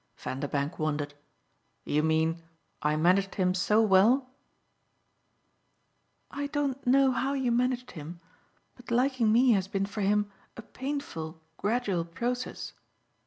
Vanderbank wondered. "You mean I managed him so well?" "I don't know how you managed him, but liking me has been for him a painful gradual process.